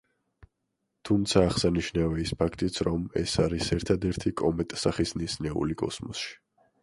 თუმცა აღსანიშნავია ის ფაქტიც, რომ ეს არ არის ერთადერთი „კომეტსახის ნისლეული“ კოსმოსში.